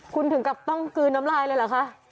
คุณถึงกับต้องกลืนน้ำลายเลยเหรอคะ